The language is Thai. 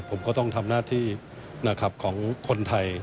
ผมก็ต้องทำหน้าที่ของคนไทย